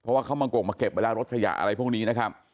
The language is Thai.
เพราะว่าเขามากกงมาเก็บไปแล้วรถขยะอะไรพวกนี้นะครับ